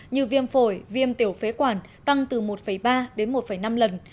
như viêm phổi viêm tiểu phế quản tăng từ một ba đến một năm lần